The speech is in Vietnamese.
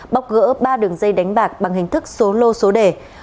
bóc gỡ ba đường dây đánh bạc bằng hình thức số lô số đề